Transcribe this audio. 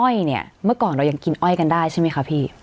อ้อยเนี่ยเมื่อก่อนเรายังกินอ้อยกันได้ใช่ไหมคะพี่